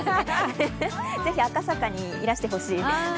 ぜひ赤坂にいらしてほしい。